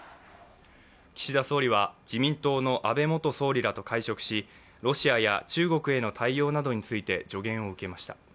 岸田総理は自民党の安倍元総理らと会食しロシアや中国への対応などについて助言を受けました。